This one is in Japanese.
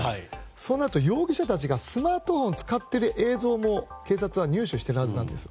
そうなると、容疑者たちがスマートフォンを使っている映像も警察は入手しているはずなんです。